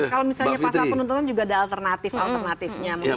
kalau misalnya pasal penuntutan juga ada alternatif alternatifnya